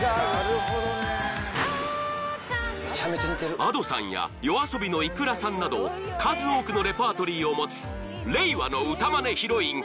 ［ＡｄｏさんやＹＯＡＳＯＢＩのｉｋｕｒａさんなど数多くのレパートリーを持つ］